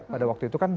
pada waktu itu kan